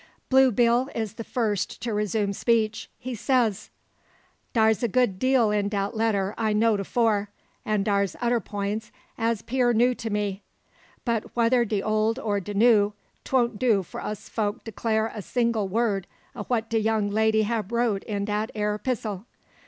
Blue Bill is the first to resume speech. He says: "Dar's a good deal in dat letter I know'd afore, and dar's odder points as 'pear new to me; but whether de old or de new, 'twon't do for us folk declar a single word o' what de young lady hab wrote in dat ere 'pistle.